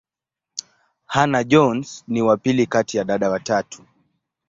Hannah-Jones ni wa pili kati ya dada watatu.